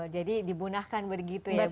jadi dibunahkan begitu ya bu ya